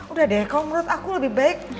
udah deh kalau menurut aku lebih baik